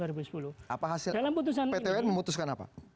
apa hasil pt un memutuskan apa